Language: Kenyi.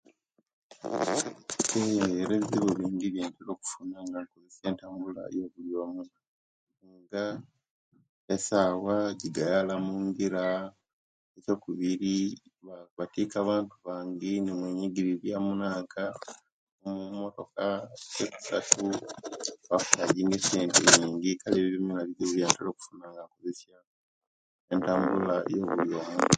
Eeye era ebizibu bingi ebyentera okufuna nga inkozesia entabula eyobuliomu nga esaawa jigaayala mungiira, ekyobubiri betika abantu bangi ino mwenyigiriria munanka mumotoka ekyokusatu bakuchajinga esente nyingi kale ebyonabyona nibyo ebizibu ebyebafuna nga nkozesia entabula eyobuliomu